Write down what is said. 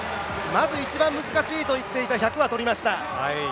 まず一番難しいと言っていた１００は取りました。